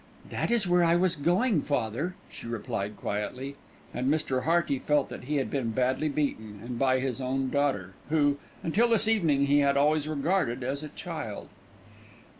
"That is where I was going, father," she replied quietly, and Mr. Hearty felt that he had been badly beaten, and by his own daughter, who, until this evening, he had always regarded as a child.